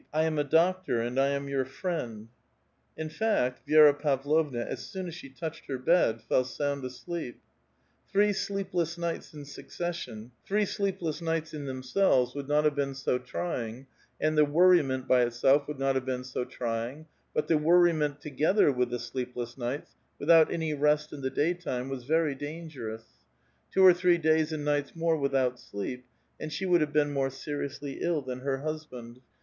I am a doctor, and I am your friend." In fact, Vi6ra Pavlovna, as soon as she touched hor bed, fell sound asleep. Three sleepless nights in thomsolves would not have been so trying, and the worrimont bv it self would not have been so trying, but the worrimont, together with the sleepless nights, without any rost in the daytime, was very dangerous ; two or three days and nights more without sleep, and she would have been more seriously ill than her husband.